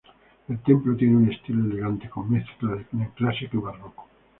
El templo tiene un estilo elegante con mezcla del neoclásico y barroco.